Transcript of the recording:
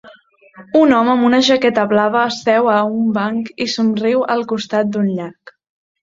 Un home amb una jaqueta blava seu a un banc i somriu al costat d'un llac.